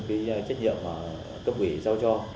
cái trách nhiệm mà cấp ủy sao cho